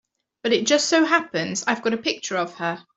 But it just so happens I've got a picture of her.